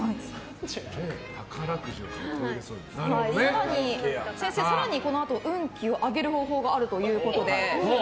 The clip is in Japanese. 更に先生、このあと運気を上げる方法があるということで。